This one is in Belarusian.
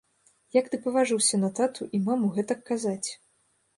Як ты паважыўся на тату і маму гэтак казаць.